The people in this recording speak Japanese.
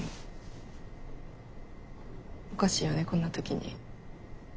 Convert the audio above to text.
おかしいよねこんな時に。